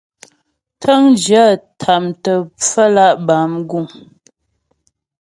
Tə̂ŋjyə tâmtə pfəmlǎ' bâ mguŋ.